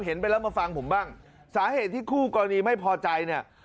เห็นไปแล้วมาฟังผมบ้างสาเหตุที่คู่กรณีไม่พอใจเนี่ย